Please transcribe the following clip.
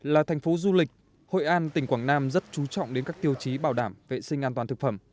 là thành phố du lịch hội an tỉnh quảng nam rất chú trọng đến các tiêu chí bảo đảm vệ sinh an toàn thực phẩm